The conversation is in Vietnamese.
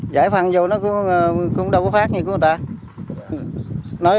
giải phân vô nó cũng đâu có phát như của người ta